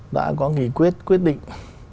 đã có nghị quyết quyết định